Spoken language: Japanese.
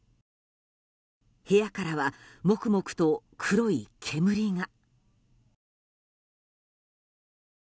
部屋からはモクモクと黒い煙が。